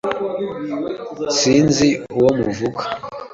Sinzi uwo muvuga.